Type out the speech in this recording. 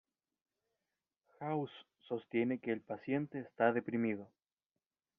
House sostiene que el paciente está deprimido.